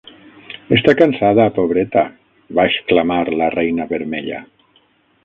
"Està cansada, pobreta!", va exclamar la reina vermella.